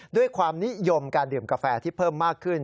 ด้วยความนิยมการดื่มกาแฟที่เพิ่มมากขึ้น